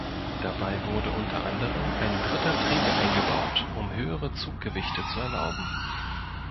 Dabei wurde unter anderem ein dritter Träger eingebaut, um höhere Zuggewichte zu erlauben.